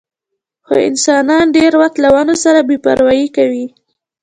خو انسانان ډېر وخت له ونو سره بې پروايي کوي.